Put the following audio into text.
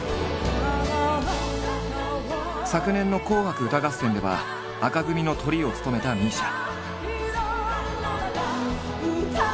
昨年の「紅白歌合戦」では紅組のトリを務めたＭＩＳＩＡ。